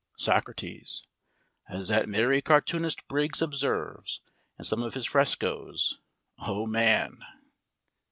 SOCRATES: As that merry cartoonist Briggs observes in some of his frescoes, Oh Man!